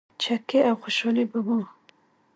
چکې او خوشحالي به وه.